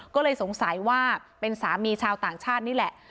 ก็เลยสงสัยว่าเป็นสามีชาวต่างชาตินี่แหละ